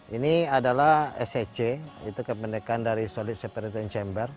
ini adalah sac